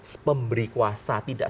sepemberi kuasa tidak